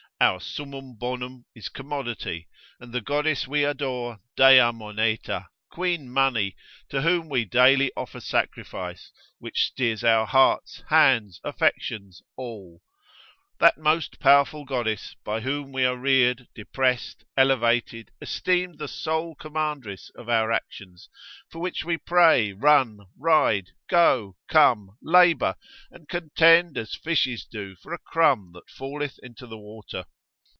Our summum bonum is commodity, and the goddess we adore Dea moneta, Queen money, to whom we daily offer sacrifice, which steers our hearts, hands, affections, all: that most powerful goddess, by whom we are reared, depressed, elevated, esteemed the sole commandress of our actions, for which we pray, run, ride, go, come, labour, and contend as fishes do for a crumb that falleth into the water.